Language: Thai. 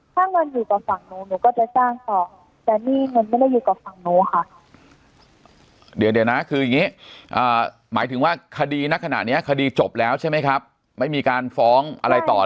ถ้างนั้นอยู่กับฝั่งหนูหนูก็จะจ้างต่อ